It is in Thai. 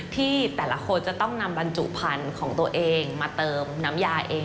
ที่แต่ละคนจะต้องนำบรรจุพันธุ์ของตัวเองมาเติมน้ำยาเอง